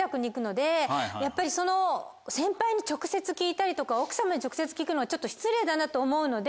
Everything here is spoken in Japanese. やっぱりその先輩に直接聞いたりとか奥様に直接聞くのはちょっと失礼だなと思うので。